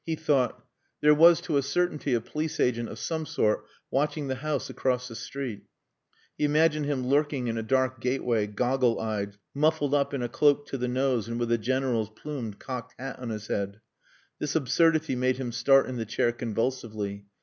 He thought "There was to a certainty a police agent of some sort watching the house across the street." He imagined him lurking in a dark gateway, goggle eyed, muffled up in a cloak to the nose and with a General's plumed, cocked hat on his head. This absurdity made him start in the chair convulsively.